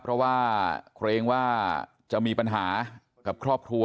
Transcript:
เพราะว่าเกรงว่าจะมีปัญหากับครอบครัว